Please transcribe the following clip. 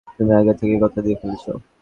তুমি আগে থেকেই কথা দিয়ে ফেলেছ।